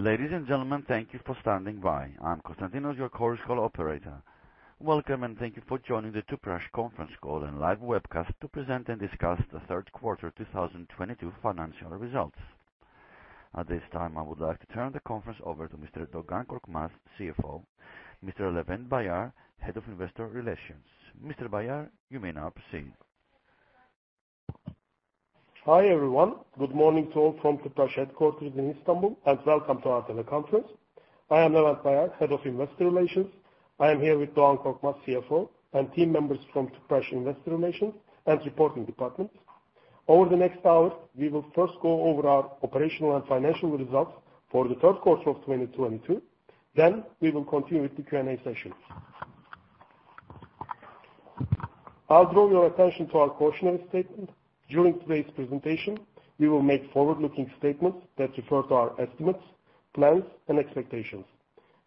Ladies and gentlemen, thank you for standing by. I'm Costantino, your Chorus Call operator. Welcome, and thank you for joining the Tüpraş conference call and live webcast to present and discuss the third quarter 2022 financial results. At this time, I would like to turn the conference over to Mr. Doğan Korkmaz, CFO, Mr. Levent Bayar, Head of Investor Relations. Mr. Bayar, you may now proceed. Hi, everyone. Good morning to all from Tüpraş headquarters in Istanbul, and welcome to our teleconference. I am Levent Bayar, Head of Investor Relations. I am here with Doğan Korkmaz, CFO, and team members from Tüpraş Investor Relations and Reporting Department. Over the next hour, we will first go over our operational and financial results for the third quarter of 2022. We will continue with the Q&A sessions. I'll draw your attention to our cautionary statement. During today's presentation, we will make forward-looking statements that refer to our estimates, plans, and expectations.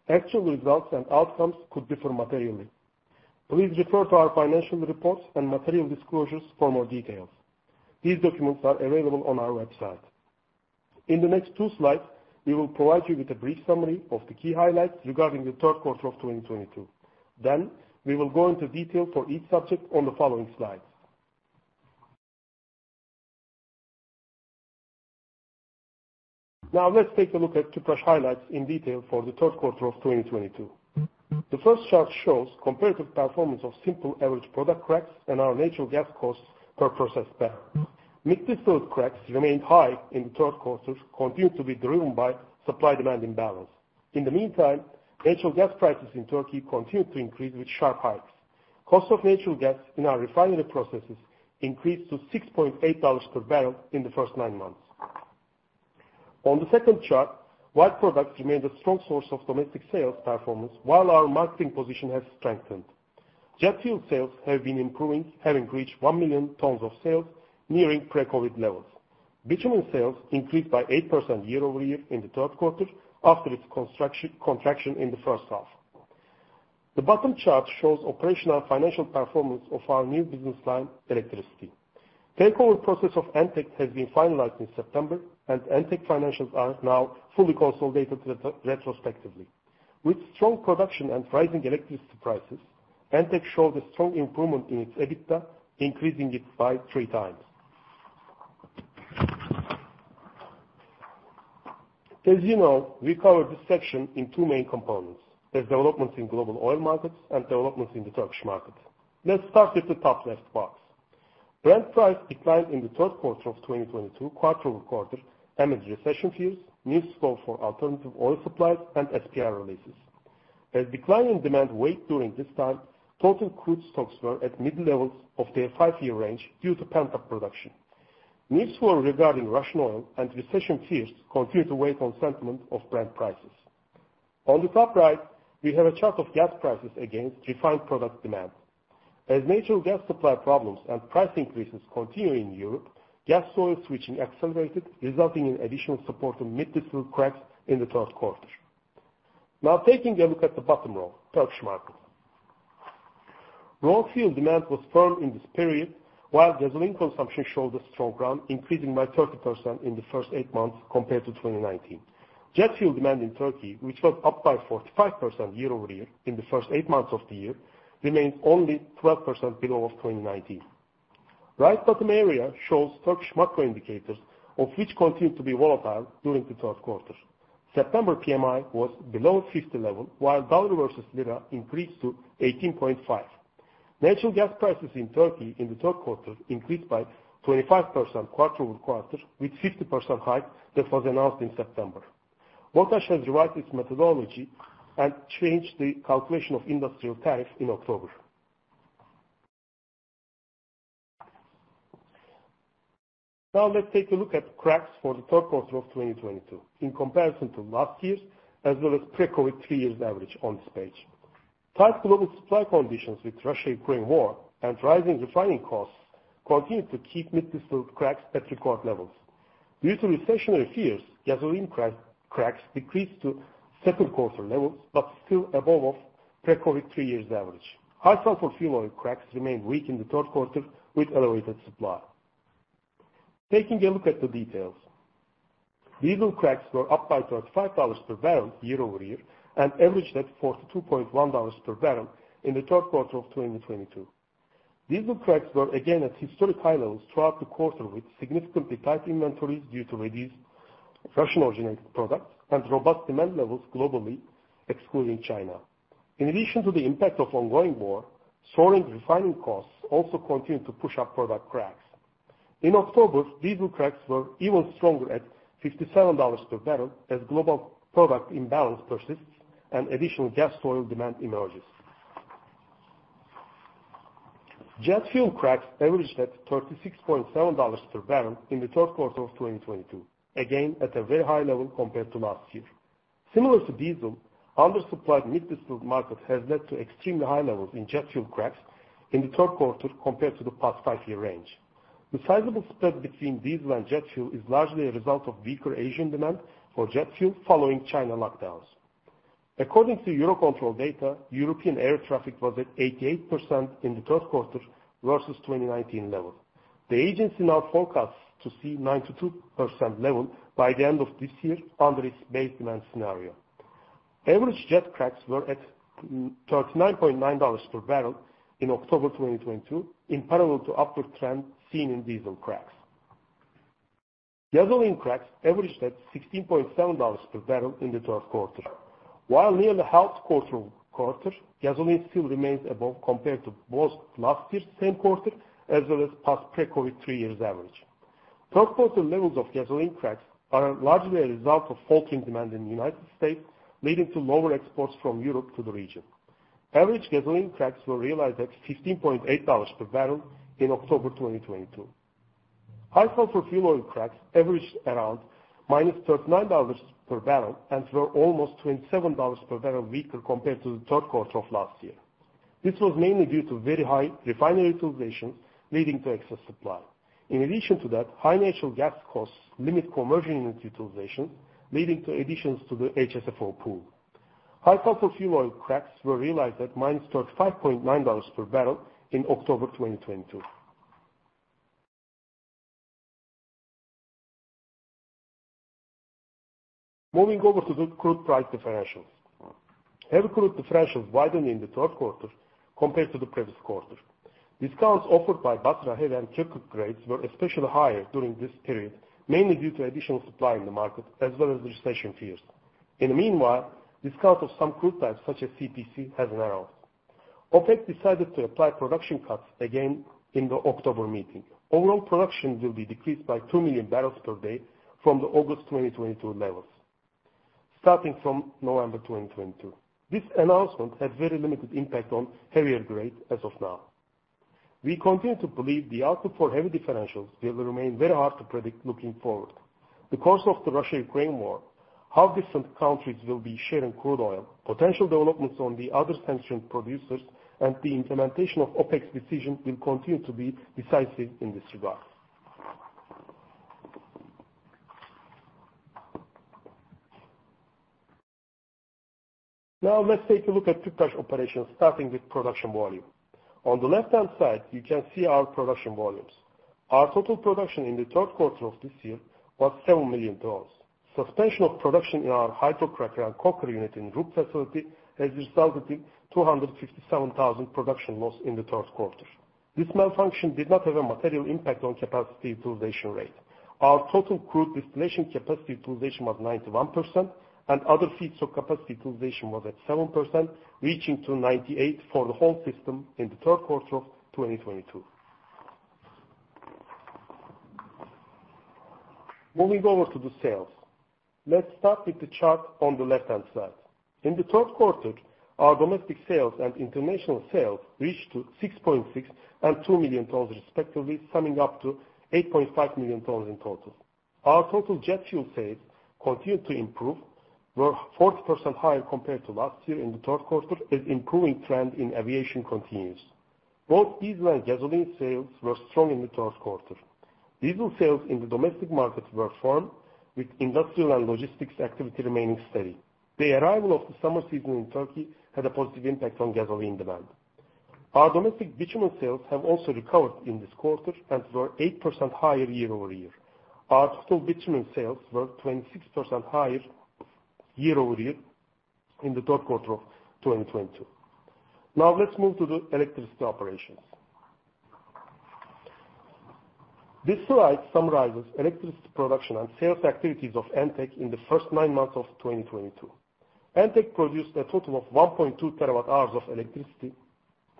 Actual results and outcomes could differ materially. Please refer to our financial reports and material disclosures for more details. These documents are available on our website. In the next two slides, we will provide you with a brief summary of the key highlights regarding the third quarter of 2022. We will go into detail for each subject on the following slides. Now let's take a look at Tüpraş highlights in detail for the third quarter of 2022. The first chart shows comparative performance of simple average product cracks and our natural gas costs per processed barrel. Mid-distillate cracks remained high in the third quarter, continued to be driven by supply-demand imbalance. In the meantime, natural gas prices in Turkey continued to increase with sharp hikes. Cost of natural gas in our refinery processes increased to $6.8 per barrel in the first nine months. On the second chart, wide products remained a strong source of domestic sales performance while our marketing position has strengthened. Jet fuel sales have been improving, having reached 1 million tons of sales, nearing pre-COVID levels. Bitumen sales increased by 8% year-over-year in the third quarter after its contraction in the first half. The bottom chart shows operational financial performance of our new business line, electricity. Takeover process of Entek has been finalized in September, and Entek financials are now fully consolidated retrospectively. With strong production and rising electricity prices, Entek showed a strong improvement in its EBITDA, increasing it by 3x. As you know, we cover this section in two main components, as developments in global oil markets and developments in the Turkish market. Let's start with the top left box. Brent price declined in the third quarter of 2022 quarter-over-quarter, amid recession fears, new sources for alternative oil supplies, and SPR releases. As declining demand weighed during this time, total crude stocks were at mid levels of their five-year range due to pent-up production. Fears regarding Russian oil and recession continue to weigh on sentiment for Brent prices. On the top right, we have a chart of gas prices against refined product demand. As natural gas supply problems and price increases continue in Europe, gas-to-oil switching accelerated, resulting in additional support to mid-distillate cracks in the third quarter. Now taking a look at the bottom row, Turkish market. Raw fuel demand was firm in this period while gasoline consumption showed a strong growth, increasing by 30% in the first eight months compared to 2019. Jet fuel demand in Turkey, which was up by 45% year-over-year in the first eight months of the year, remains only 12% below 2019. Right bottom area shows Turkish macro indicators of which continued to be volatile during the third quarter. September PMI was below 50 level, while dollar versus lira increased to 18.5. Natural gas prices in Turkey in the third quarter increased by 25% quarter-over-quarter with 50% hike that was announced in September. BOTAŞ has revised its methodology and changed the calculation of industrial tariffs in October. Now let's take a look at cracks for the third quarter of 2022 in comparison to last year as well as pre-COVID three-year average on this page. Tight global supply conditions with Russia-Ukraine war and rising refining costs continued to keep mid-distillate cracks at record levels. Due to recessionary fears, gasoline cracks decreased to second quarter levels but still above the pre-COVID three-year average. High-Sulfur Fuel Oil Cracks remained weak in the third quarter with elevated supply. Taking a look at the details. Diesel cracks were up by $35 per barrel year-over-year and averaged at $42.1 per barrel in the third quarter of 2022. Diesel cracks were again at historic high levels throughout the quarter with significantly tight inventories due to reduced Russian-originated products and robust demand levels globally, excluding China. In addition to the impact of ongoing war, soaring refining costs also continued to push up product cracks. In October, diesel cracks were even stronger at $57 per barrel as global product imbalance persists and additional gas oil demand emerges. Jet fuel cracks averaged at $36.7 per barrel in the third quarter of 2022, again at a very high level compared to last year. Similar to diesel, undersupplied mid-distillate market has led to extremely high levels in jet fuel cracks in the third quarter compared to the past five-year range. The sizable spread between diesel and jet fuel is largely a result of weaker Asian demand for jet fuel following China lockdowns. According to Eurocontrol data, European air traffic was at 88% in the third quarter versus 2019 level. The agency now forecasts to see 92% level by the end of this year under its base demand scenario. Average jet cracks were at $39.9 per barrel in October 2022, in parallel to upward trend seen in diesel cracks. Gasoline cracks averaged at $16.7 per barrel in the third quarter. While near the fourth quarter, gasoline still remains above compared to both last year's same quarter, as well as past pre-COVID three-year average. Third quarter levels of gasoline cracks are largely a result of faltering demand in the United States, leading to lower exports from Europe to the region. Average gasoline cracks were realized at $15.8 per barrel in October 2022. High-Sulfur Fuel Oil cracks averaged around $-39 per barrel and were almost $27 per barrel weaker compared to the third quarter of last year. This was mainly due to very high refinery utilization, leading to excess supply. In addition to that, high natural gas costs limit conversion unit utilization, leading to additions to the HSFO pool. High-Sulfur Fuel Oil cracks were realized at -$35.9 per barrel in October 2022. Moving over to the crude price differentials. Heavy crude differentials widened in the third quarter compared to the previous quarter. Discounts offered by Basra Light and Turkey grades were especially higher during this period, mainly due to additional supply in the market as well as recession fears. In the meanwhile, discount of some crude types, such as CPC, has narrowed. OPEC decided to apply production cuts again in the October meeting. Overall production will be decreased by 2 MMbpd from the August 2022 levels, starting from November 2022. This announcement had very limited impact on heavier grade as of now. We continue to believe the output for heavy differentials will remain very hard to predict looking forward. The course of the Russia-Ukraine war, how different countries will be sharing crude oil, potential developments on the other sanctioned producers, and the implementation of OPEC's decision will continue to be decisive in this regard. Now let's take a look at Tüpraş operations, starting with production volume. On the left-hand side, you can see our production volumes. Our total production in the third quarter of this year was 7 million tons. Suspension of production in our hydrocracker and coker unit in RUP facility has resulted in 257,000 production loss in the third quarter. This malfunction did not have a material impact on capacity utilization rate. Our total crude distillation capacity utilization was 91%, and other feedstock capacity utilization was at 97%, reaching 98% for the whole system in the third quarter of 2022. Moving over to the sales. Let's start with the chart on the left-hand side. In the third quarter, our domestic sales and international sales reached 6.6 and 2 million tons respectively, summing up to 8.5 million tons in total. Our total jet fuel sales continued to improve, were 40% higher compared to last year in the third quarter as improving trend in aviation continues. Both diesel and gasoline sales were strong in the third quarter. Diesel sales in the domestic market were firm, with industrial and logistics activity remaining steady. The arrival of the summer season in Turkey had a positive impact on gasoline demand. Our domestic bitumen sales have also recovered in this quarter and were 8% higher year-over-year. Our total bitumen sales were 26% higher year-over-year in the third quarter of 2022. Now let's move to the electricity operations. This slide summarizes electricity production and sales activities of Entek in the first nine months of 2022. Entek produced a total of 1.2 TWh of electricity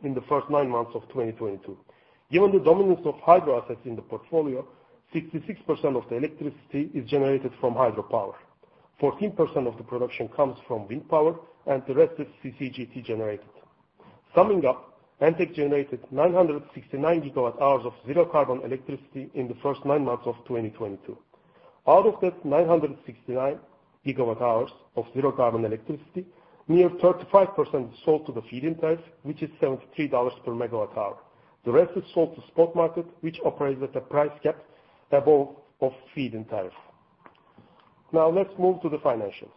in the first nine months of 2022. Given the dominance of hydro assets in the portfolio, 66% of the electricity is generated from hydropower. 14% of the production comes from wind power and the rest is CCGT generated. Summing up, Entek generated 969 GWh of zero-carbon electricity in the first nine months of 2022. Out of that 969 GWh of zero-carbon electricity, near 35% is sold to the feed-in tariff, which is $73 per MWh. The rest is sold to spot market, which operates at a price cap above of feed-in tariff. Now let's move to the financials.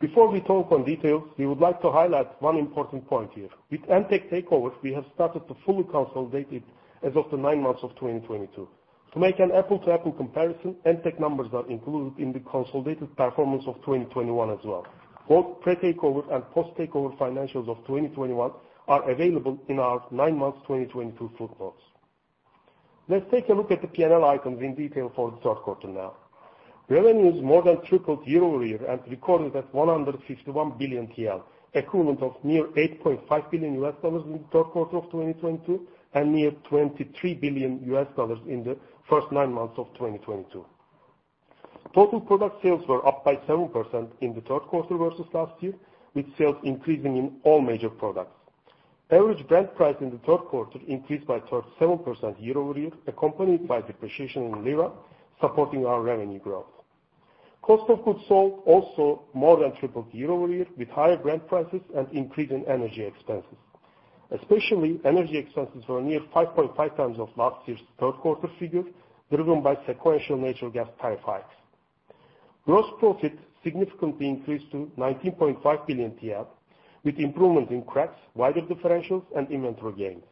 Before we talk on details, we would like to highlight one important point here. With Entek takeover, we have started to fully consolidate it as of the nine months of 2022. To make an apple-to-apple comparison, Entek numbers are included in the consolidated performance of 2021 as well. Both pre-takeover and post-takeover financials of 2021 are available in our nine months 2022 footnotes. Let's take a look at the P&L items in detail for the third quarter now. Revenues more than tripled year-over-year and recorded at 151 billion TL, equivalent of near $8.5 billion in the third quarter of 2022 and near $23 billion in the first nine months of 2022. Total product sales were up by 7% in the third quarter versus last year, with sales increasing in all major products. Average Brent price in the third quarter increased by 37% year-over-year, accompanied by depreciation in lira, supporting our revenue growth. Cost of Goods Sold also more than tripled year-over-year with higher Brent prices and increase in energy expenses. Especially energy expenses were near 5.5x of last year's third quarter figures, driven by sequential natural gas tariff hikes. Gross profit significantly increased to 19.5 billion TL, with improvement in cracks, wider differentials, and inventory gains.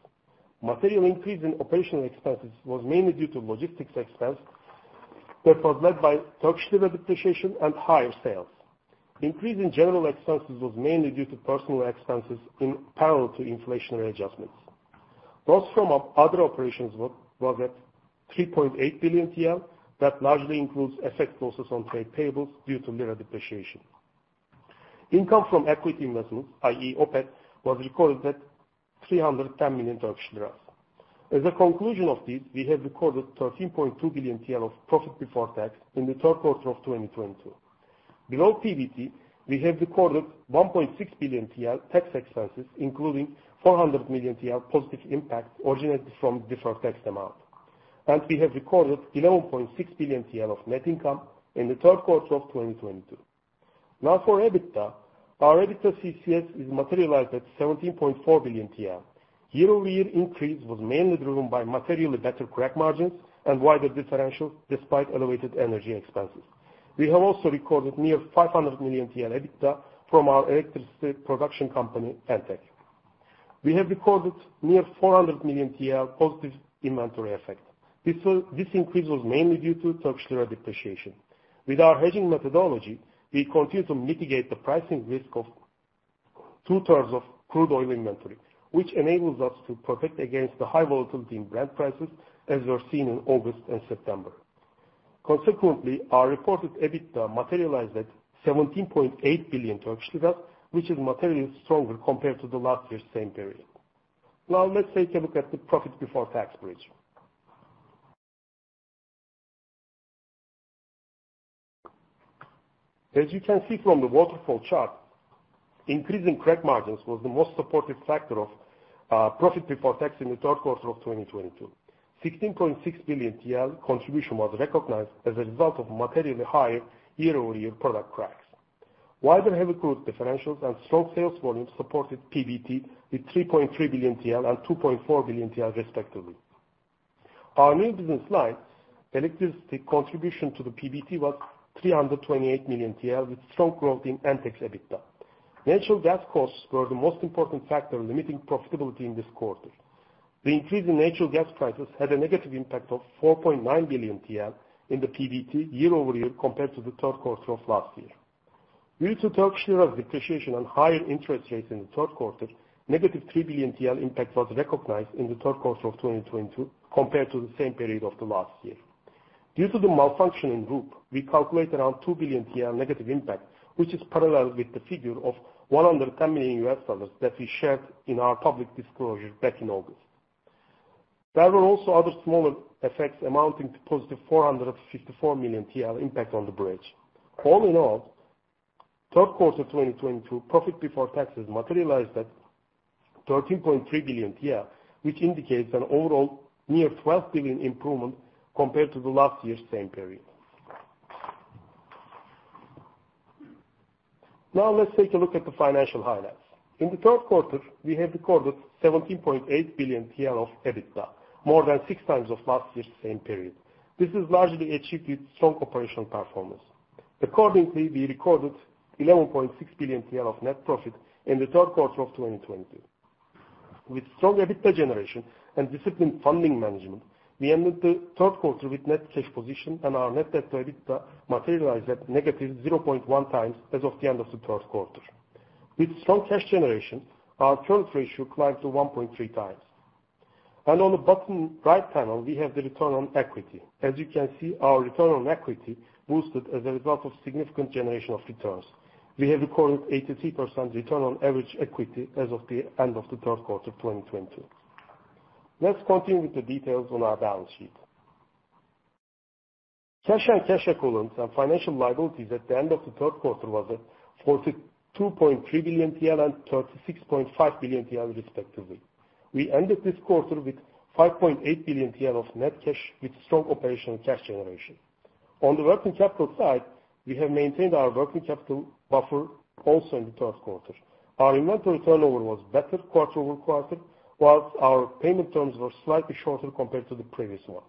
Material increase in operational expenses was mainly due to logistics expense that was led by Turkish lira depreciation and higher sales. Increase in general expenses was mainly due to personnel expenses in parallel to inflationary adjustments. Loss from other operations was at 3.8 billion TL. That largely includes FX losses on trade payables due to lira depreciation. Income from equity investments, i.e., OPET, was recorded at TRY 310 million. As a conclusion of this, we have recorded 13.2 billion TL of profit before tax in the third quarter of 2022. Below PBT, we have recorded 1.6 billion TL tax expenses, including 400 million TL positive impact originated from deferred tax amount. We have recorded 11.6 billion TL of net income in the third quarter of 2022. Now for EBITDA, our EBITDA CCS is materialized at 17.4 billion. Year-over-year increase was mainly driven by materially better crack margins and wider differentials, despite elevated energy expenses. We have also recorded near 500 million TL EBITDA from our electricity production company, Entek. We have recorded near 400 million TL positive inventory effect. This increase was mainly due to Turkish lira depreciation. With our hedging methodology, we continue to mitigate the pricing risk of 2/3 of crude oil inventory, which enables us to protect against the high volatility in Brent prices as was seen in August and September. Consequently, our reported EBITDA materialized at 17.8 billion Turkish lira, which is materially stronger compared to the last year's same period. Now let's take a look at the profit before tax bridge. As you can see from the waterfall chart, increase in crack margins was the most supportive factor of profit before tax in the third quarter of 2022. 16.6 billion TL contribution was recognized as a result of materially higher year-over-year product cracks. Wider heavy crude differentials and strong sales volumes supported PBT with 3.3 billion TL and 2.4 billion TL respectively. Our new business lines, electricity contribution to the PBT, was 328 million TL, with strong growth in Entek's EBITDA. Natural gas costs were the most important factor limiting profitability in this quarter. The increase in natural gas prices had a negative impact of 4.9 billion TL in the PBT year-over-year compared to the third quarter of last year. Due to Turkish lira's depreciation and higher interest rates in the third quarter, -3 billion TL impact was recognized in the third quarter of 2022 compared to the same period of the last year. Due to the malfunctioning group, we calculate around -2 billion TL impact, which is parallel with the figure of $110 million that we shared in our public disclosure back in August. There were also other smaller effects amounting to +454 million TL impact on the bridge. All in all, third quarter 2022 profit before taxes materialized at 13.3 billion, which indicates an overall near 12 billion improvement compared to the last year's same period. Now let's take a look at the financial highlights. In the third quarter, we have recorded 17.8 billion TL of EBITDA, more than 6x of last year's same period. This is largely achieved with strong operational performance. Accordingly, we recorded 11.6 billion TL of net profit in the third quarter of 2022. With strong EBITDA generation and disciplined funding management, we ended the third quarter with net cash position, and our net debt-to-EBITDA materialized at -0.1x as of the end of the third quarter. With strong cash generation, our current ratio climbed to 1.3x. On the bottom right panel, we have the return on equity. As you can see, our return on equity boosted as a result of significant generation of returns. We have recorded 83% return on average equity as of the end of the third quarter 2022. Let's continue with the details on our balance sheet. Cash and cash equivalents and financial liabilities at the end of the third quarter was at 42.3 billion TL and 36.5 billion TL respectively. We ended this quarter with 5.8 billion TL of net cash with strong operational cash generation. On the working capital side, we have maintained our working capital buffer also in the third quarter. Our inventory turnover was better quarter-over-quarter, while our payment terms were slightly shorter compared to the previous one.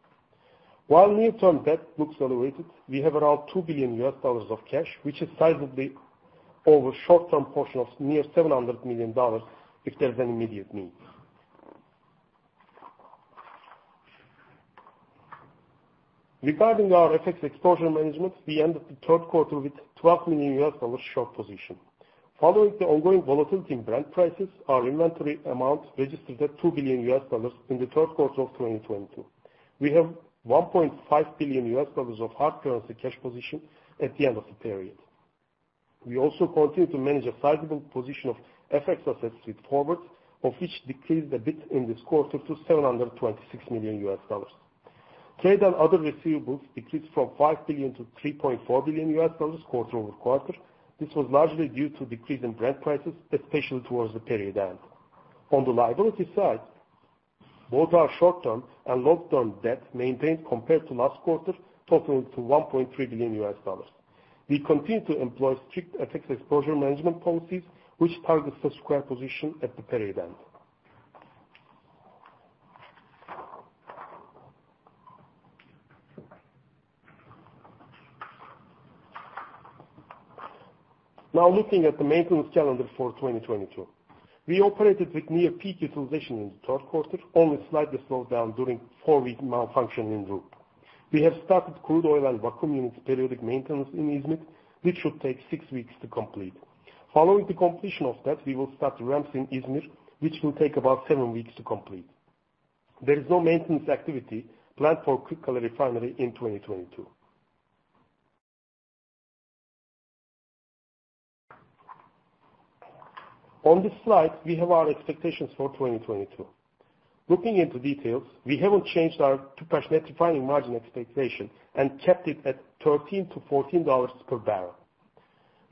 While near-term debt looks elevated, we have around $2 billion of cash, which is sizably over short-term portion of near $700 million if there's any immediate needs. Regarding our FX exposure management, we ended the third quarter with $12 million short position. Following the ongoing volatility in Brent prices, our inventory amount registered at $2 billion in the third quarter of 2022. We have $1.5 billion of hard currency cash position at the end of the period. We also continue to manage a sizable position of FX assets with forwards, of which decreased a bit in this quarter to $726 million. Trade and other receivables decreased from $5 billion-$3.4 billion quarter-over-quarter. This was largely due to decrease in Brent prices, especially toward the period end. On the liability side. Both our short-term and long-term debt maintained compared to last quarter, totaling $1.3 billion. We continue to employ strict FX exposure management policies which targets the FX position at the period end. Now looking at the maintenance calendar for 2022. We operated with near peak utilization in the third quarter, only slightly slowed down during four-week maintenance program. We have started crude oil and vacuum units periodic maintenance in İzmit, which should take six weeks to complete. Following the completion of that, we will start ramps in İzmit, which will take about seven weeks to complete. There is no maintenance activity planned for Kırıkkale Refinery in 2022. On this slide, we have our expectations for 2022. Looking into details, we haven't changed our Tüpraş net refining margin expectation and kept it at $13-$14 per barrel.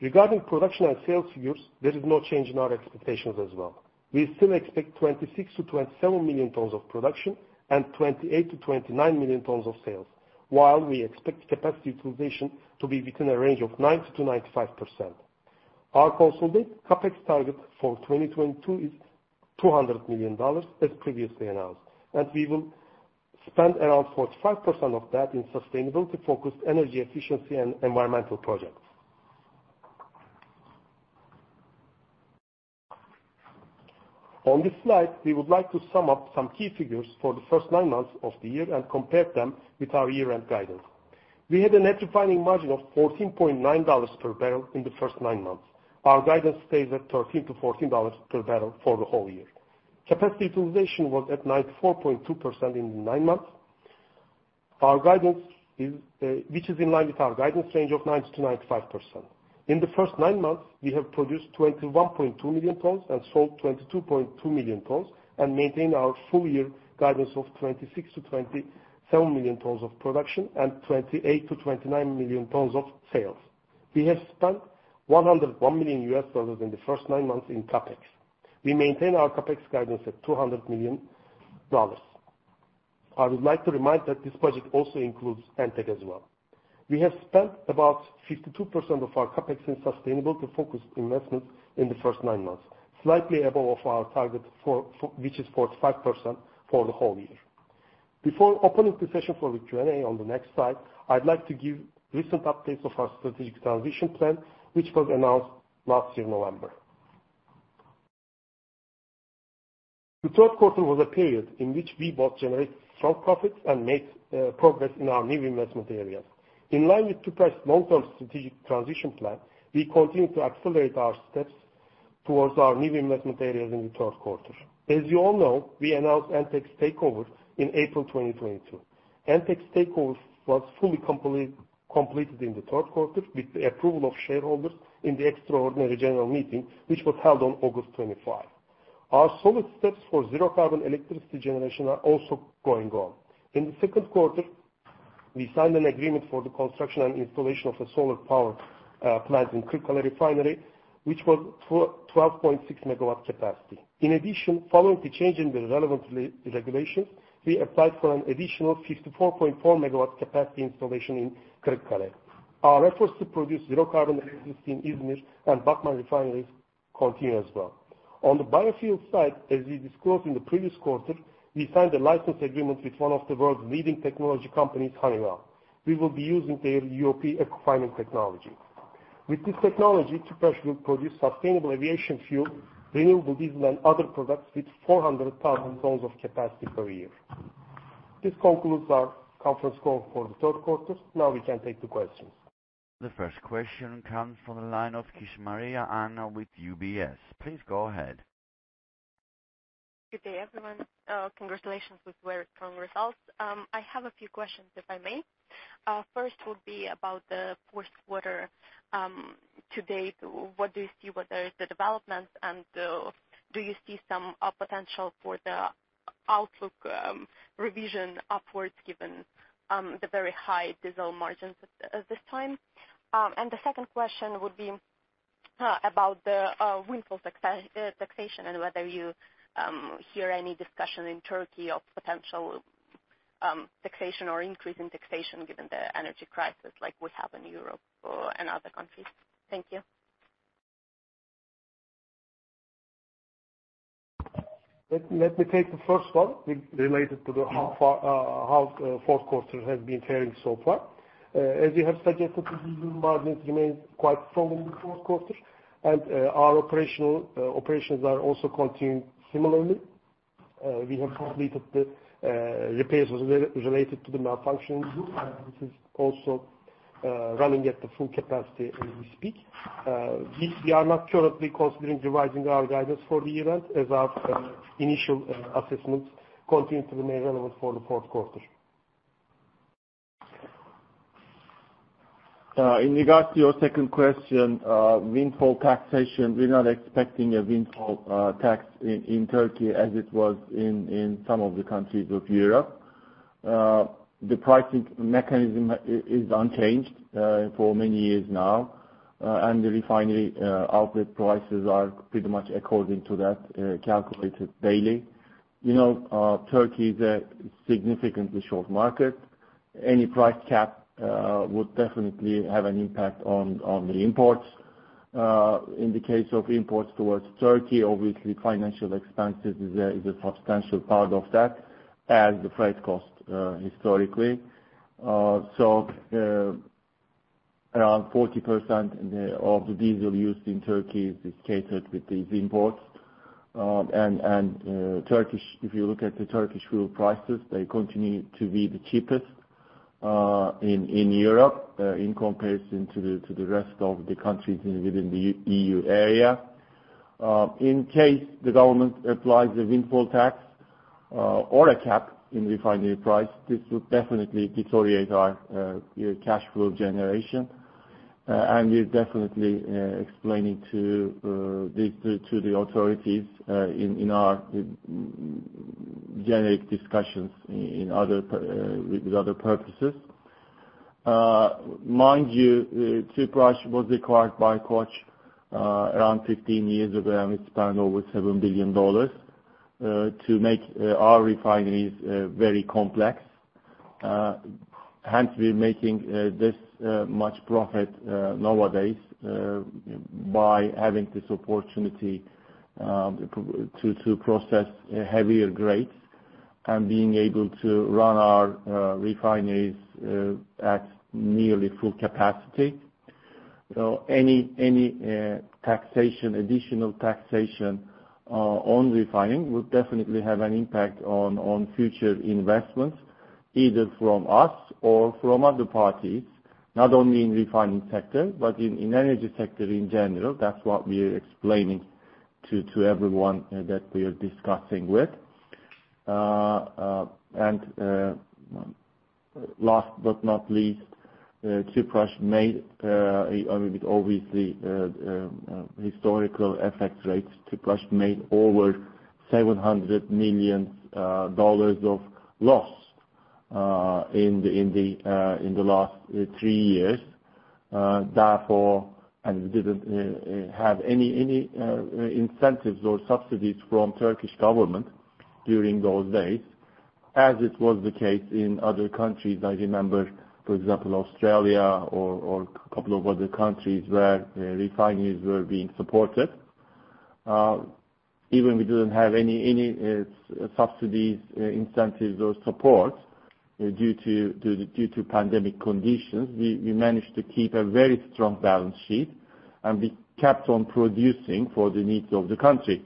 Regarding production and sales figures, there is no change in our expectations as well. We still expect 26 million-27 million tons of production and 28 million-29 million tons of sales, while we expect capacity utilization to be between a range of 90%-95%. Our consolidated CapEx target for 2022 is $200 million, as previously announced, and we will spend around 45% of that in sustainability-focused energy efficiency and environmental projects. On this slide, we would like to sum up some key figures for the first nine months of the year and compare them with our year-end guidance. We had a net refining margin of $14.9 per barrel in the first nine months. Our guidance stays at $13-$14 per barrel for the whole year. Capacity utilization was at 94.2% in the nine months. Our guidance is, which is in line with our guidance range of 90%-95%. In the first nine months, we have produced 21.2 million tons and sold 22.2 million tons, and maintain our full year guidance of 26 million-27 million tons of production and 28 million-29 million tons of sales. We have spent $101 million in the first nine months in CapEx. We maintain our CapEx guidance at $200 million. I would like to remind that this project also includes Entek as well. We have spent about 52% of our CapEx in sustainability-focused investment in the first nine months, slightly above our target which is 45% for the whole year. Before opening the session for the Q&A on the next slide, I'd like to give recent updates of our strategic transition plan, which was announced last year, November. The third quarter was a period in which we both generate strong profits and made progress in our new investment areas. In line with Tüpraş's long-term strategic transition plan, we continue to accelerate our steps towards our new investment areas in the third quarter. As you all know, we announced Entek's takeover in April 2022. Entek's takeover was fully completed in the third quarter with the approval of shareholders in the extraordinary general meeting, which was held on August 25. Our solid steps for zero-carbon electricity generation are also going on. In the second quarter, we signed an agreement for the construction and installation of a solar power plant in Kırıkkale Refinery, which was 12.6-MW capacity. In addition, following the change in the relevant regulations, we applied for an additional 54.4-MW capacity installation in Kırıkkale. Our efforts to produce zero-carbon electricity in İzmir and Batman refineries continue as well. On the biofuel side, as we disclosed in the previous quarter, we signed a license agreement with one of the world's leading technology companies, Honeywell. We will be using their UOP Ecofining technology. With this technology, Tüpraş will produce Sustainable Aviation Fuel, renewable diesel, and other products with 400,000 tons of capacity per year. This concludes our conference call for the third quarter. Now we can take the questions. The first question comes from the line of Kishmariya Anna with UBS. Please go ahead. Good day, everyone. Congratulations with very strong results. I have a few questions, if I may. First will be about the fourth quarter to date. What do you see what are the developments? Do you see some potential for the outlook revision upwards given the very high diesel margins at this time? The second question would be about the windfall taxation and whether you hear any discussion in Turkey of potential taxation or increase in taxation given the energy crisis like we have in Europe or another country. Thank you. Let me take the first one related to how far the fourth quarter has been faring so far. As you have suggested, the diesel margins remain quite strong in the fourth quarter. Our operations are also continuing similarly. We have completed the repairs related to the malfunction group, and this is also running at the full capacity as we speak. Yes, we are not currently considering revising our guidance for the event as our initial assessments continue to remain relevant for the fourth quarter. In regards to your second question, windfall taxation, we're not expecting a windfall tax in Turkey as it was in some of the countries of Europe. The pricing mechanism is unchanged for many years now. The refinery outlet prices are pretty much according to that calculated daily. You know, Turkey is a significantly short market. Any price cap would definitely have an impact on the imports. In the case of imports towards Turkey, obviously financial expenses is a substantial part of that, and the freight cost historically. Around 40% of the diesel used in Turkey is catered with these imports. If you look at the Turkish fuel prices, they continue to be the cheapest in Europe in comparison to the rest of the countries within the EU area. In case the government applies a windfall tax, or a cap in refinery price, this would definitely deteriorate our cash flow generation. We're definitely explaining to the authorities in our generic discussions with other purposes. Mind you, Tüpraş was acquired by Koç around 15 years ago, and we've spent over $7 billion to make our refineries very complex. Hence we're making this much profit nowadays by having this opportunity to process heavier grades and being able to run our refineries at nearly full capacity. Any taxation, additional taxation on refining will definitely have an impact on future investments, either from us or from other parties, not only in refining sector but in energy sector in general. That's what we are explaining to everyone that we are discussing with. Last but not least, Tüpraş made, I mean, with obviously historical FX rates, over $700 million of loss in the last three years, therefore and didn't have any incentives or subsidies from Turkish government during those days, as it was the case in other countries. I remember, for example, Australia or a couple of other countries where refineries were being supported. Even we didn't have any subsidies, incentives or support due to pandemic conditions, we managed to keep a very strong balance sheet, and we kept on producing for the needs of the country.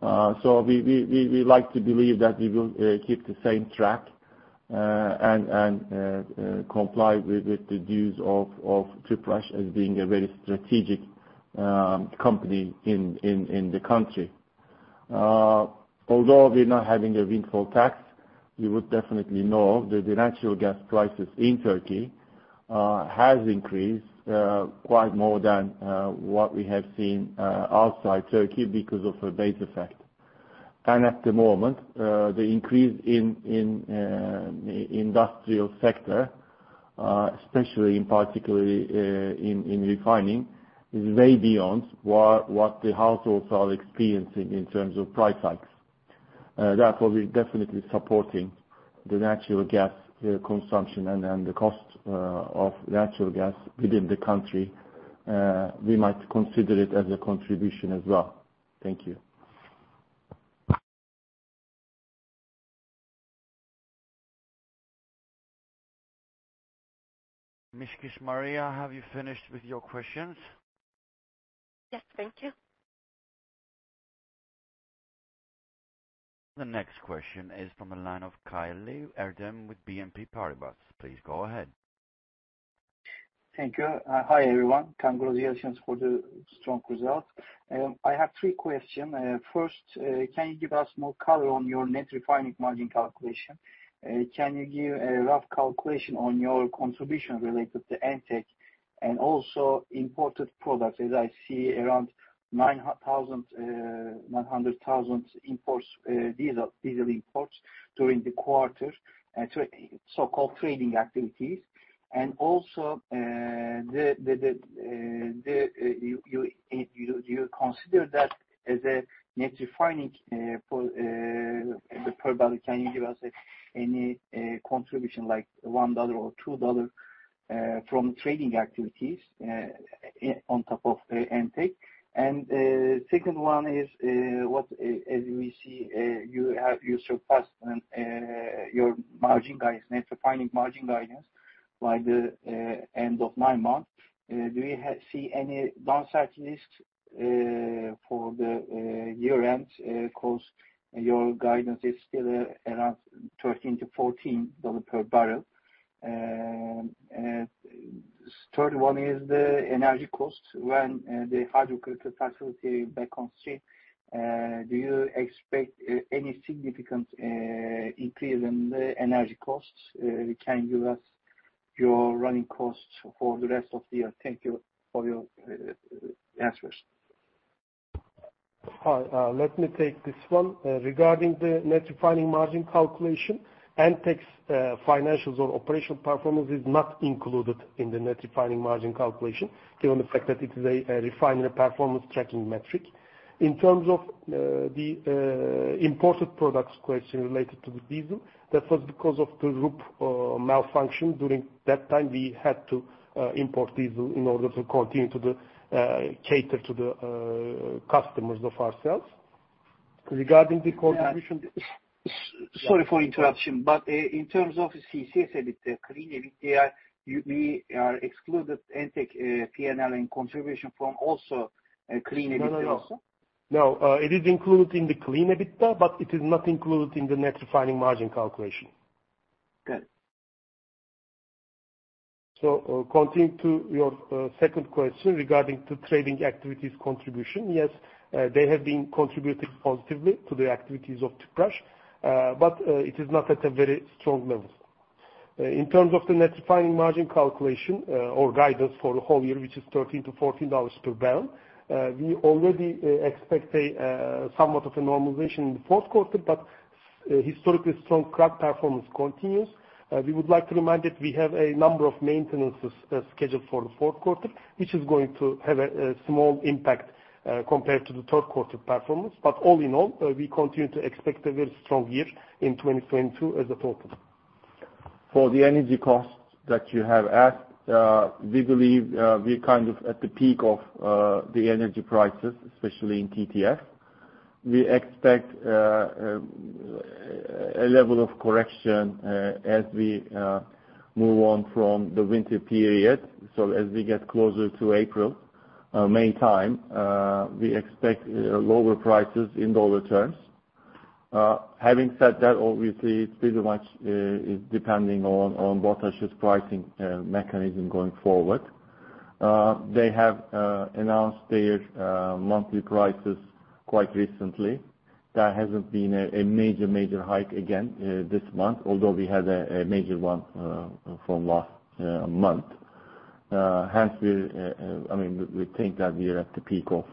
We like to believe that we will keep the same track and comply with the duties of Tüpraş as being a very strategic company in the country. Although we're not having a windfall tax, you would definitely know that the natural gas prices in Turkey has increased quite more than what we have seen outside Turkey because of a base effect. At the moment, the increase in industrial sector, especially in particular, in refining, is way beyond what the households are experiencing in terms of price hikes. Therefore, we're definitely supporting the natural gas consumption and then the cost of natural gas within the country. We might consider it as a contribution as well. Thank you. Miss Kishmariya, have you finished with your questions? Yes. Thank you. The next question is from the line of Kaylı Erdem with BNP Paribas. Please go ahead. Thank you. Hi, everyone. Congratulations for the strong result. I have three questions. First, can you give us more color on your net refining margin calculation? Can you give a rough calculation on your contribution related to Entek and also imported products, as I see around 900,000 imports, diesel imports during the quarter, so-called trading activities. Also, do you consider that as a net refining for the per barrel? Can you give us any contribution, like $1 or $2, from trading activities on top of Entek? Second one is, as we see, you have surpassed your margin guidance, net refining margin guidance by the end of nine months. Do we see any downside risks for the year end because your guidance is still around $13-$14 per barrel? Third one is the energy costs. When the hydrocracker facility back on stream do you expect any significant increase in the energy costs? Can you give us your running costs for the rest of the year? Thank you for your answers. Let me take this one. Regarding the net refining margin calculation, Entek's financials or operational performance is not included in the net refining margin calculation, given the fact that it is a refinery performance checking metric. In terms of the imported products question related to the diesel, that was because of the group's malfunction. During that time we had to import diesel in order to continue to cater to our customers. Regarding the contribution Sorry for interruption, but in terms of CCS, EBITDA, clean EBITDA, do we exclude Entek P&L and contribution from it also clean EBITDA also? No, it is included in the clean EBITDA, but it is not included in the net refining margin calculation. Good. Continuing to your second question regarding to trading activities contribution. Yes, they have been contributing positively to the activities of Tüpraş, but it is not at a very strong level. In terms of the net refining margin calculation, or guidance for the whole year, which is $13-$14 per barrel, we already expect a somewhat of a normalization in the fourth quarter, but historically strong crack performance continues. We would like to remind that we have a number of maintenances scheduled for the fourth quarter, which is going to have a small impact compared to the third quarter performance. All in all, we continue to expect a very strong year in 2022 as a total. For the energy costs that you have asked, we believe we're kind of at the peak of the energy prices, especially in TTF. We expect a level of correction as we move on from the winter period. As we get closer to April, May time, we expect lower prices in dollar terms. Having said that, obviously it's pretty much depending on BOTAŞ's pricing mechanism going forward. They have announced their monthly prices quite recently. There hasn't been a major hike again this month, although we had a major one from last month. We think that we are at the peak of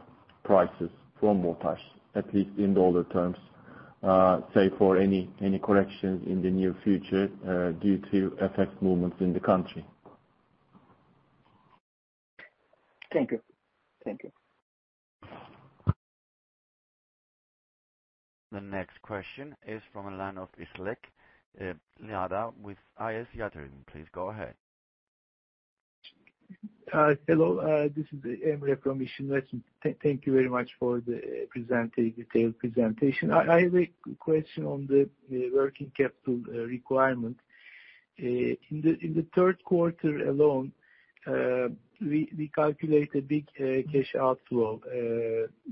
prices from BOTAŞ, at least in dollar terms, save for any corrections in the near future, due to FX movements in the country. Thank you. Thank you. The next question is from the line of İşlek İlayda with İş Yatırım. Please go ahead. Hello, this is Emre from İş Yatırım. Thank you very much for the presentation, detailed presentation. I have a question on the working capital requirement. In the third quarter alone, we calculate a big cash outflow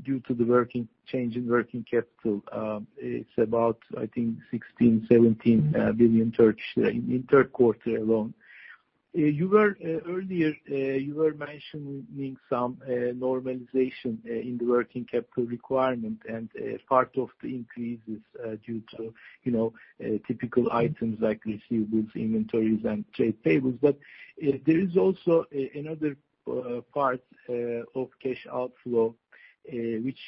due to the change in working capital. It's about, I think, 16 billion-17 billion in third quarter alone. You were earlier mentioning some normalization in the working capital requirement, and part of the increase is due to, you know, typical items like receivables, inventories and trade payables. There is also another part of cash outflow which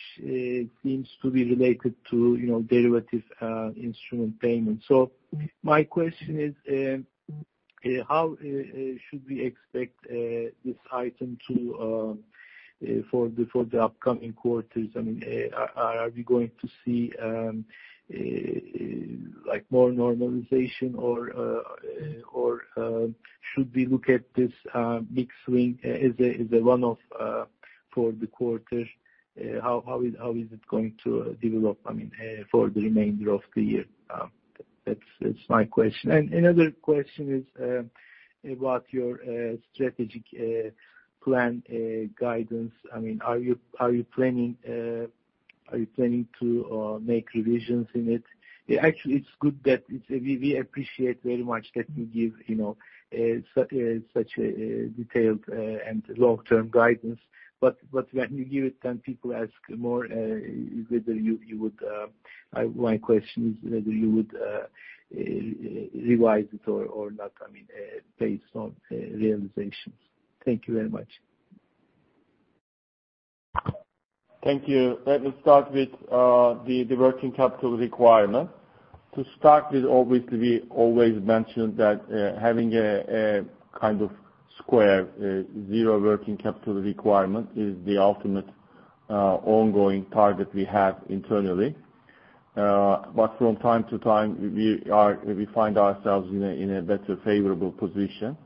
seems to be related to, you know, derivative instrument payments. My question is, how should we expect this item to for the upcoming quarters? I mean, are we going to see like more normalization or should we look at this big swing as a one-off for the quarter? How is it going to develop, I mean, for the remainder of the year? That's my question. Another question is about your strategic plan guidance. I mean, are you planning to make revisions in it? Actually, it's good that it's. We appreciate very much that you give, you know, such a detailed and long-term guidance. My question is whether you would revise it or not, I mean, based on realizations. Thank you very much. Thank you. Let me start with the working capital requirement. To start with, obviously, we always mention that having a kind of zero working capital requirement is the ultimate ongoing target we have internally. From time to time, we find ourselves in a better favorable position.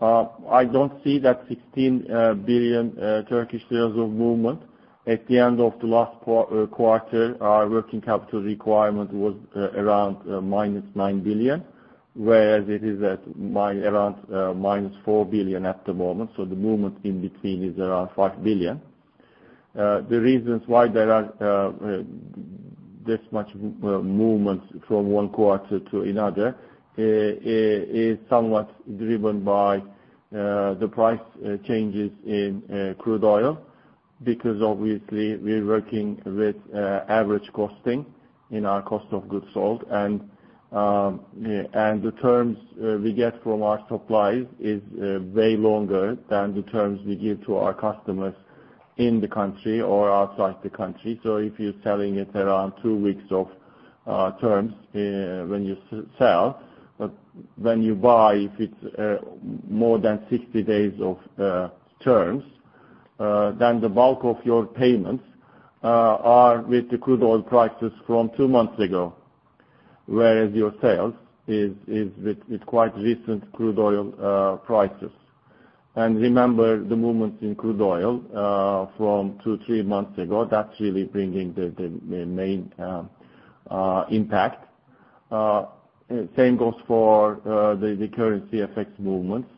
I don't see that 16 billion of movement. At the end of the last quarter, our working capital requirement was around -9 billion, whereas it is around -4 billion at the moment. The movement in between is around 5 billion. The reasons why there are this much movement from one quarter to another is somewhat driven by the price changes in crude oil, because obviously we're working with average costing in our Cost of Goods Sold. The terms we get from our suppliers is way longer than the terms we give to our customers in the country or outside the country. If you're selling it around two weeks of terms when you sell, but when you buy, if it's more than 60 days of terms, then the bulk of your payments are with the crude oil prices from two months ago, whereas your sales is with quite recent crude oil prices. Remember the movements in crude oil from two-three months ago. That's really bringing the main impact. Same goes for the currency effects movements.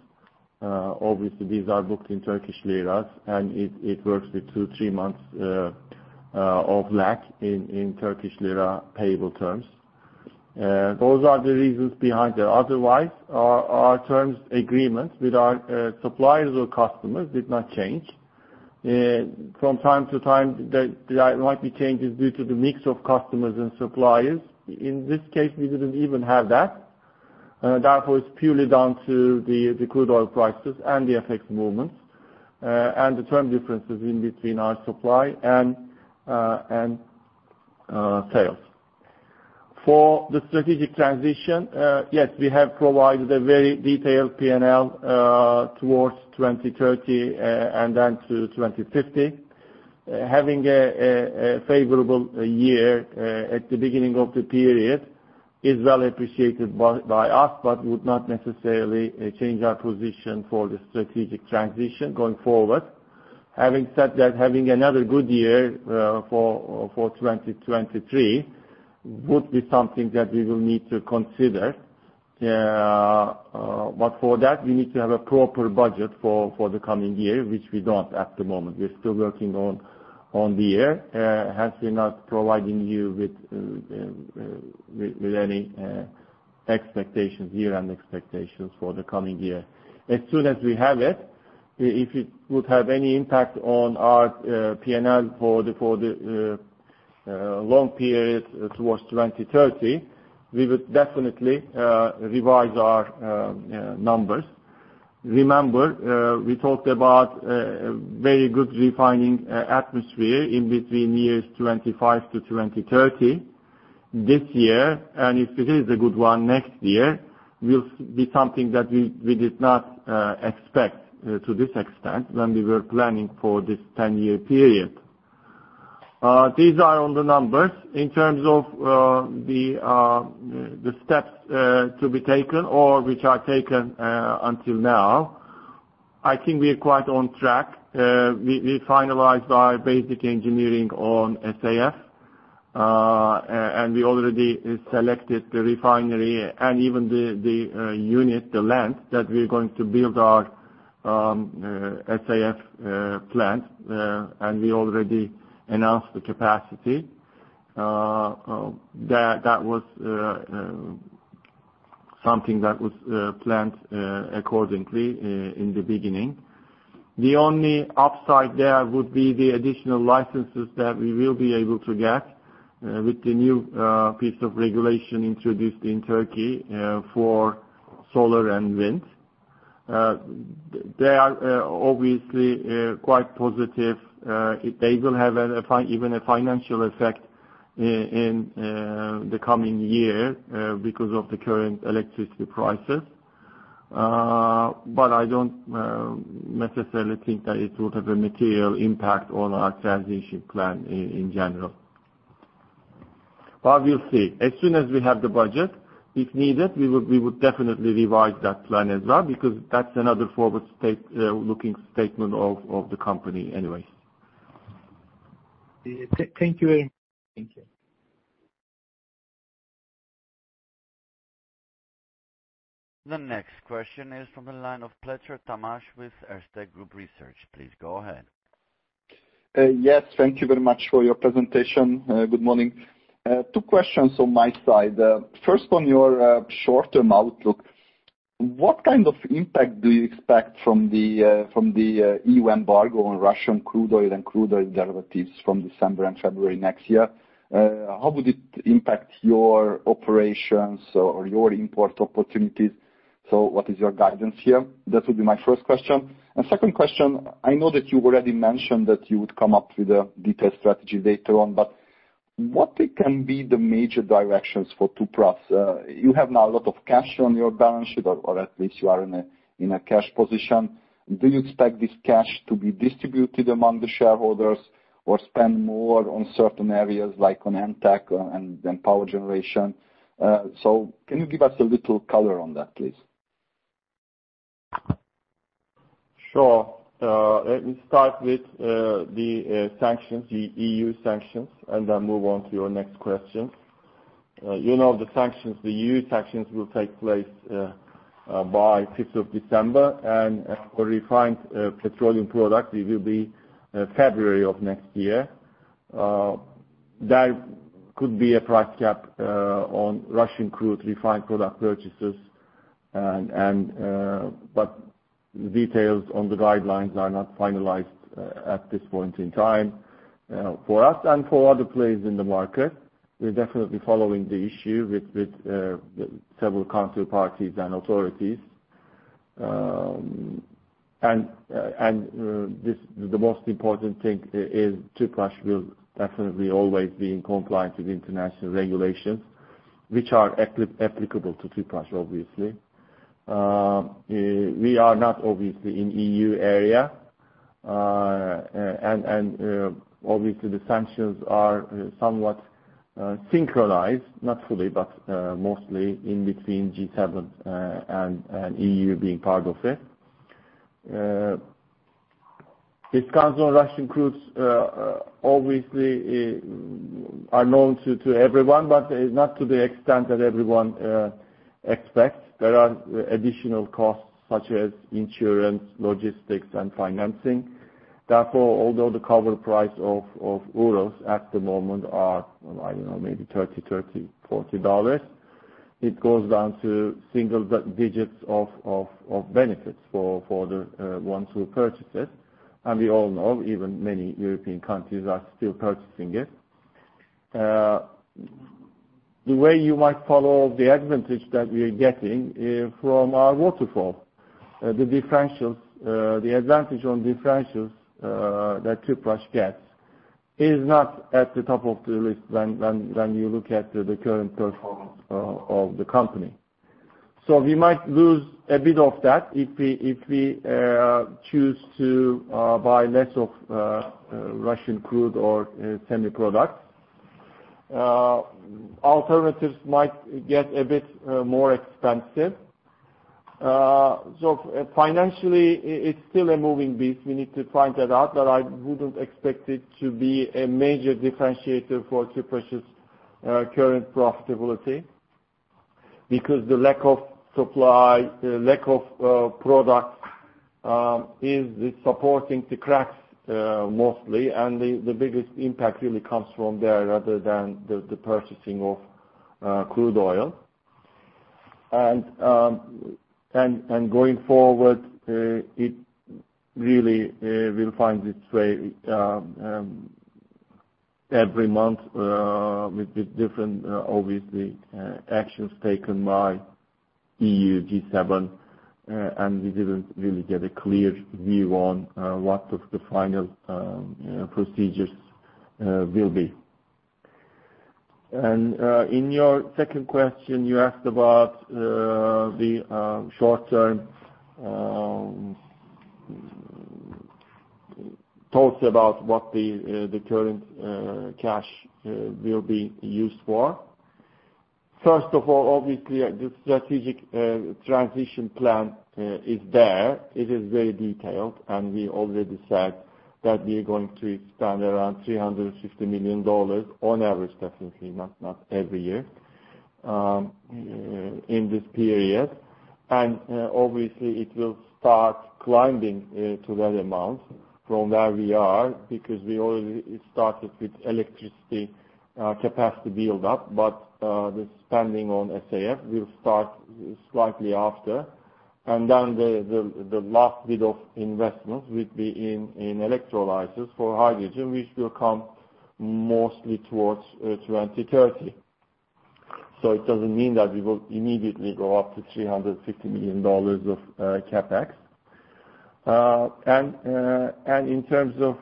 Obviously these are booked in Turkish liras, and it works with two-three months of lag in Turkish lira payable terms. Those are the reasons behind that. Otherwise, our terms agreements with our suppliers or customers did not change. From time to time, there might be changes due to the mix of customers and suppliers. In this case, we didn't even have that. That was purely down to the crude oil prices and the FX movements, and the term differences in between our supply and sales. For the strategic transition, yes, we have provided a very detailed P&L towards 2030, and then to 2050. Having a favorable year at the beginning of the period is well appreciated by us, but would not necessarily change our position for the strategic transition going forward. Having said that, having another good year for 2023 would be something that we will need to consider. For that we need to have a proper budget for the coming year, which we don't at the moment. We're still working on the year. Hence we're not providing you with any expectations, year-end expectations for the coming year. As soon as we have it, if it would have any impact on our P&L for the long period towards 2030, we would definitely revise our numbers. Remember, we talked about a very good refining atmosphere in between years 2025-2030. This year, and if it is a good one next year, will be something that we did not expect to this extent when we were planning for this ten-year period. These are on the numbers. In terms of the steps to be taken or which are taken until now, I think we are quite on track. We finalized our basic engineering on SAF, and we already selected the refinery and even the unit, the land that we're going to build our SAF plant, and we already announced the capacity. That was something that was planned accordingly in the beginning. The only upside there would be the additional licenses that we will be able to get with the new piece of regulation introduced in Turkey for solar and wind. They are obviously quite positive. They will have even a financial effect in the coming year because of the current electricity prices. I don't necessarily think that it would have a material impact on our transition plan in general. We'll see. As soon as we have the budget, if needed, we would definitely revise that plan as well, because that's another forward-looking statement of the company anyways. Yeah. Thank you, Doğan. Thank you. The next question is from the line of Pletser Tamás with Erste Group Research. Please go ahead. Yes, thank you very much for your presentation. Good morning. Two questions on my side. First on your short-term outlook, what kind of impact do you expect from the EU embargo on Russian crude oil and crude oil derivatives from December and February next year? How would it impact your operations or your import opportunities? What is your guidance here? That would be my first question. Second question, I know that you already mentioned that you would come up with a detailed strategy later on, but what can be the major directions for Tüpraş? You have now a lot of cash on your balance sheet, or at least you are in a cash position. Do you expect this cash to be distributed among the shareholders or spend more on certain areas like on Entek and then power generation? Can you give us a little color on that, please? Sure. Let me start with the sanctions, the EU sanctions, and then move on to your next question. You know the sanctions, the EU sanctions will take place by fifth of December and for refined petroleum product, it will be February of next year. There could be a price cap on Russian crude refined product purchases. But details on the guidelines are not finalized at this point in time for us and for other players in the market. We're definitely following the issue with several counterparties and authorities. The most important thing is Tüpraş will definitely always be in compliance with international regulations which are applicable to Tüpraş obviously. We are not obviously in EU area, and obviously the sanctions are somewhat synchronized, not fully, but mostly in between G7 and EU being part of it. Discounts on Russian crudes obviously are known to everyone, but not to the extent that everyone expects. There are additional costs such as insurance, logistics, and financing. Therefore, although the cover price of Urals at the moment are, I don't know, maybe $30-$40, it goes down to single-digits of benefits for the ones who purchase it. We all know, even many European countries are still purchasing it. The way you might follow the advantage that we are getting from our waterfall, the differentials, the advantage on differentials, that Tüpraş gets is not at the top of the list when you look at the current performance of the company. We might lose a bit of that if we choose to buy less of Russian crude or semi products. Alternatives might get a bit more expensive. Financially it's still a moving beast. We need to find that out, but I wouldn't expect it to be a major differentiator for Tüpraş' current profitability, because the lack of supply, the lack of products is supporting the cracks mostly. The biggest impact really comes from there rather than the purchasing of crude oil. Going forward, it really will find its way every month with the different, obviously, actions taken by EU, G7, and we didn't really get a clear view on what the final procedures will be. In your second question, you asked about the short-term talks about what the current cash will be used for. First of all, obviously the strategic transition plan is there. It is very detailed, and we already said that we're going to spend around $350 million on average, definitely not every year in this period. Obviously it will start climbing to that amount from where we are because we already started with electricity capacity build up, but the spending on SAF will start slightly after. Then the last bit of investment will be in electrolyzers for hydrogen which will come mostly towards 2030. It doesn't mean that we will immediately go up to $350 million of CapEx. In terms of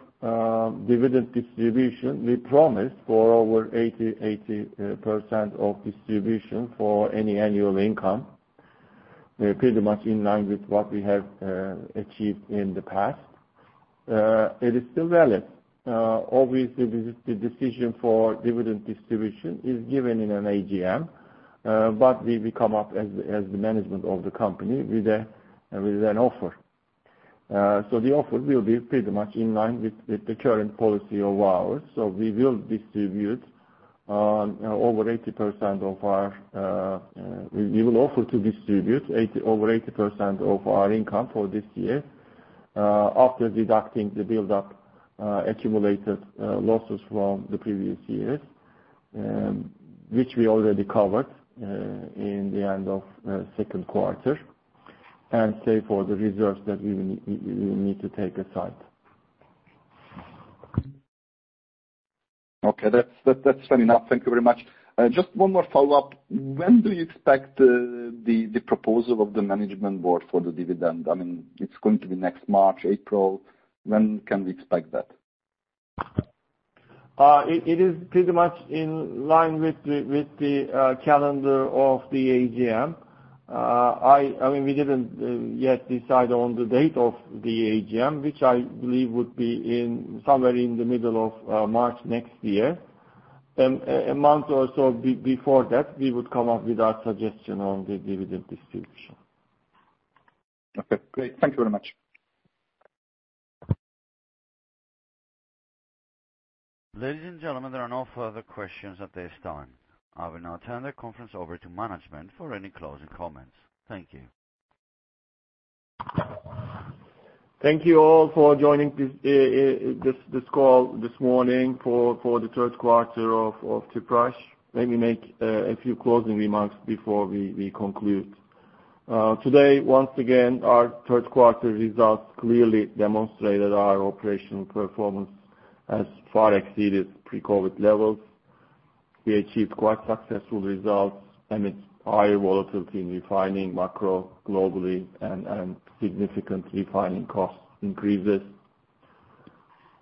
dividend distribution, we promised for over 80% of distribution for any annual income. We are pretty much in line with what we have achieved in the past. It is still valid. Obviously the decision for dividend distribution is given in an AGM, but we come up as the management of the company with an offer. The offer will be pretty much in line with the current policy of ours. We will offer to distribute over 80% of our income for this year, after deducting the buildup accumulated losses from the previous years, which we already covered in the end of second quarter, and save for the reserves that we need to take aside. Okay. That's fair enough. Thank you very much. Just one more follow-up. When do you expect the proposal of the management board for the dividend? I mean, it's going to be next March, April. When can we expect that? It is pretty much in line with the calendar of the AGM. I mean, we didn't yet decide on the date of the AGM, which I believe would be somewhere in the middle of March next year. A month or so before that, we would come up with our suggestion on the dividend distribution. Okay, great. Thank you very much. Ladies and gentlemen, there are no further questions at this time. I will now turn the conference over to management for any closing comments. Thank you. Thank you all for joining this call this morning for the third quarter of Tüpraş. Let me make a few closing remarks before we conclude. Today, once again, our third quarter results clearly demonstrated our operational performance has far exceeded pre-COVID levels. We achieved quite successful results amidst high volatility in refining macro globally and significant refining costs increases.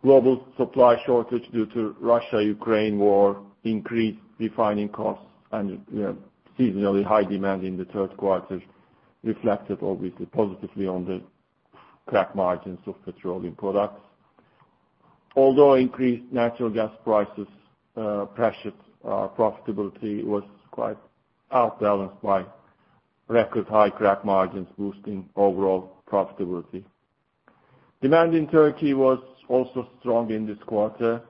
Global supply shortage due to Russia-Ukraine war increased refining costs and, you know, seasonally high demand in the third quarter reflected obviously positively on the crack margins of petroleum products. Although increased natural gas prices pressured our profitability, it was quite outbalanced by record high crack margins boosting overall profitability. Demand in Turkey was also strong in this quarter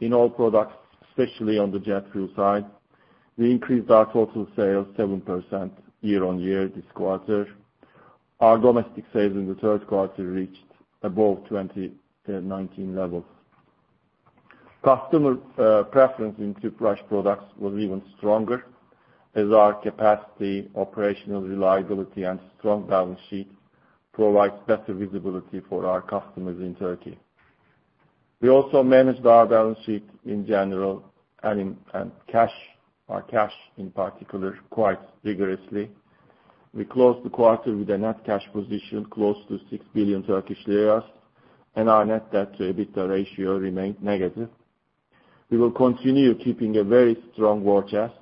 in all products, especially on the jet fuel side. We increased our total sales 7% year-on-year this quarter. Our domestic sales in the third quarter reached above 2019 levels. Customer preference in Tüpraş products was even stronger, as our capacity, operational reliability, and strong balance sheet provide better visibility for our customers in Turkey. We also managed our balance sheet in general and our cash in particular quite vigorously. We closed the quarter with a net cash position close to 6 billion Turkish lira, and our net debt-to-EBITDA ratio remained negative. We will continue keeping a very strong war chest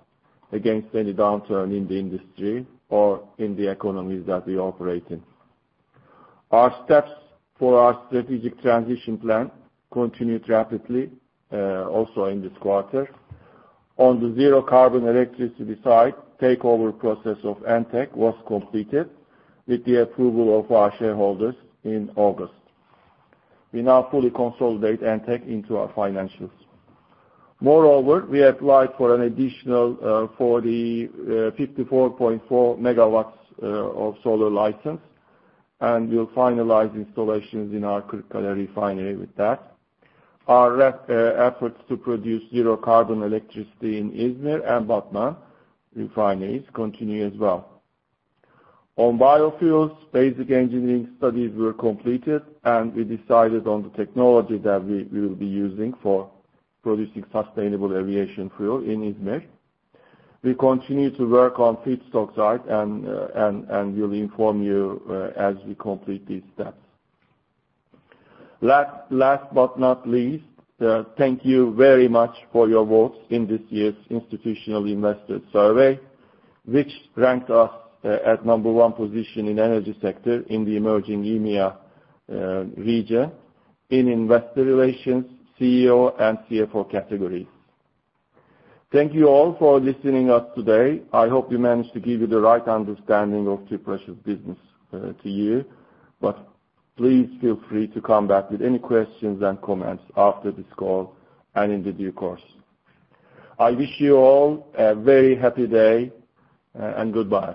against any downturn in the industry or in the economies that we operate in. Our steps for our strategic transition plan continued rapidly also in this quarter. On the zero-carbon electricity side, takeover process of Entek was completed with the approval of our shareholders in August. We now fully consolidate Entek into our financials. Moreover, we applied for an additional 54.4 MW of solar license, and we'll finalize installations in our Kırıkkale Refinery with that. Our efforts to produce zero-carbon electricity in İzmit and Batman refineries continue as well. On biofuels, basic engineering studies were completed, and we decided on the technology that we will be using for producing Sustainable Aviation Fuel in İzmit. We continue to work on feedstock side, and we'll inform you as we complete these steps. Last but not least, thank you very much for your votes in this year's Institutional Investor survey, which ranked us at number one position in energy sector in the emerging EMEA region in investor relations, CEO, and CFO categories. Thank you all for listening us today. I hope we managed to give you the right understanding of Tüpraş's business to you. Please feel free to come back with any questions and comments after this call and in due course. I wish you all a very happy day and goodbye.